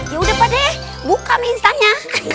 ya udah pak d buka mainstannya